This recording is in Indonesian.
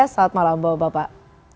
salam selamat malam bapak